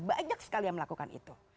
banyak sekali yang melakukan itu